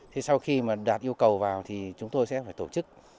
thế sau khi mà đạt yêu cầu vào thì chúng tôi sẽ phải tổ chức